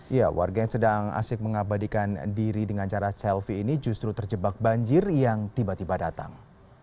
ya warga yang sedang asik mengabadikan diri dengan cara selfie ini justru terjebak banjir yang tiba tiba datang